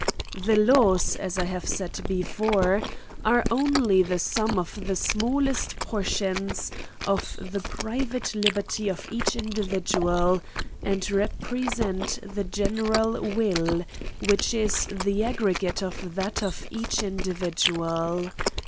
The laws, as I have said before, are only the s.um of the smallest portions of the private liberty of each individual, and represent the general will, which is the aggregate of that of each individual.